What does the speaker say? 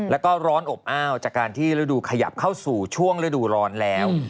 แล้วก็ร้อนอบอ้าวจากการที่ฤดูขยับเข้าสู่ช่วงฤดูร้อนแล้ว